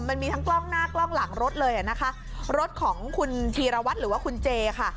มันมีทั้งกล้องหน้ากล้องหลังรถเลยอ่ะนะคะรถของคุณธีรวัตรหรือว่าคุณเจค่ะ